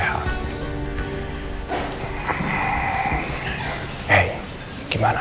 aku mau ikut sama dia